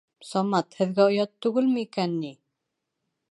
Самат, һеҙгә оят түгелме икән ни?